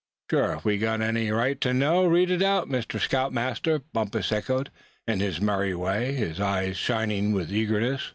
"Sure, if we've got any right to know, read it out, Mr. Scout Master," Bumpus echoed, in his merry way, his eyes shining with eagerness.